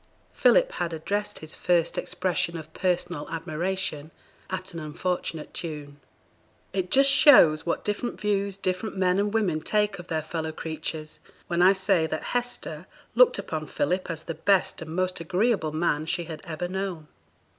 Philip had addressed his first expression of personal admiration at an unfortunate tune. It just shows what different views different men and women take of their fellow creatures, when I say that Hester looked upon Philip as the best and most agreeable man she had ever known.